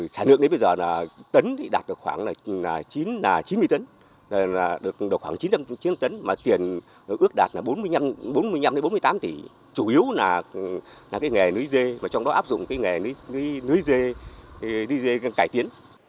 sản lượng đến bây giờ là tấn đạt được khoảng chín mươi tấn là được khoảng chín trăm linh chín tấn mà tiền ước đạt là bốn mươi bốn mươi năm bốn mươi tám tỷ chủ yếu là cái nghề lưới dê và trong đó áp dụng cái nghề lưới dê cải tiến